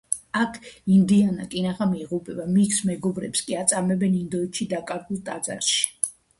აქ ინდიანა კინაღამ იღუპება, მის მეგობრებს კი აწამებენ ინდოეთში დაკარგულ ტაძარში.